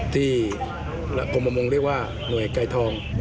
ที่ประมาณนี้เขาเรียกว่าหน่วยไก่ทอง